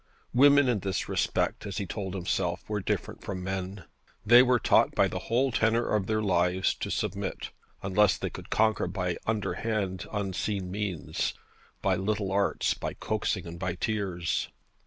Women in this respect as he told himself were different from men. They were taught by the whole tenor of their lives to submit, unless they could conquer by underhand unseen means, by little arts, by coaxing, and by tears.